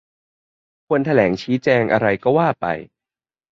ควรแถลงชี้แจงอะไรก็ว่าไป